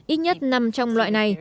ít nhất năm trong loại này